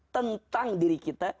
tentang diri kita